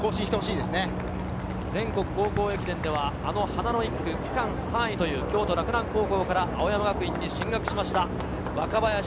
全国高校駅伝では花の１区、区間３位、京都・洛南高校から青山学院に進学しました若林。